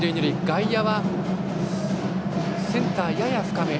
外野はセンター、やや深め。